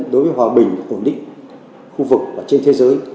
đối với hòa bình ổn định khu vực và trên thế giới